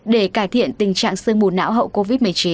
để cải thiện tình trạng sương mù não hậu covid một mươi chín